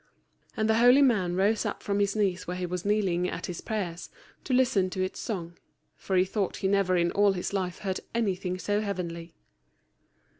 And the holy man rose up from his knees where he was kneeling at his prayers to listen to its song; for he thought he never in all his life heard anything so heavenly.